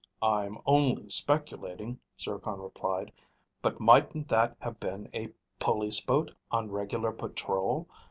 "I'm only speculating," Zircon replied, "but mightn't that have been a police boat on regular patrol?